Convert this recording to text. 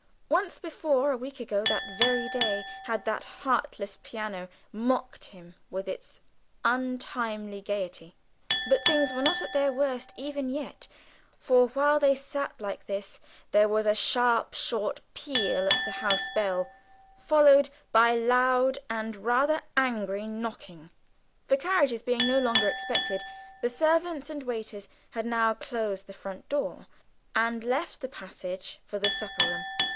Once before, a week ago that very day, had that heartless piano mocked him with its untimely gaiety. But things were not at their worst even yet, for, while they sat like this, there was a sharp, short peal at the house bell, followed by loud and rather angry knocking, for carriages being no longer expected, the servants and waiters had now closed the front door, and left the passage for the supper room.